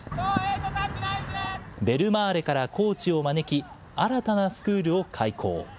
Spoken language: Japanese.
ベルマーレからコーチを招き、新たなスクールを開校。